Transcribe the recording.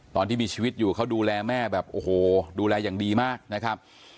ตอนที่มีชีวิตอยู่เขาดูแลแม่แบบโอ้โหดูแลอย่างดีมากนะครับ